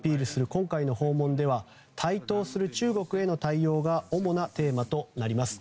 今回の訪問では台頭する中国への対応が主なテーマとなります。